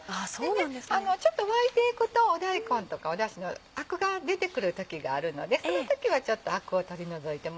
でねちょっと沸いていくと大根とかだしのアクが出てくる時があるのでその時はちょっとアクを取り除いてもらって。